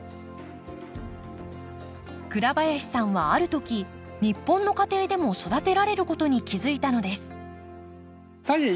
倉林さんはあるとき日本の家庭でも育てられることに気付いたのです。